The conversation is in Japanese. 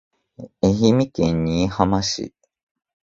愛媛県新居浜市